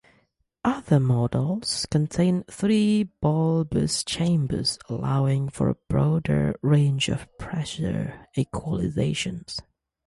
Other models contain three bulbous chambers allowing for a broader range of pressure equalization.